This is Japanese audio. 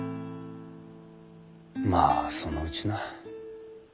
まあそのうちな。